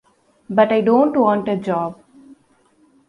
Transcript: But I don't want a job.